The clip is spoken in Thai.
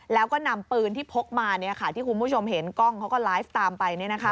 แล้วก็นำปืนที่พกมาที่คุณผู้ชมเห็นกล้องเขาก็ไลฟ์ตามไป